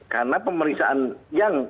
karena pemeriksaan yang